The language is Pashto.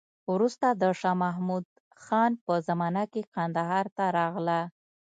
وروسته د شا محمود خان په زمانه کې کندهار ته راغله.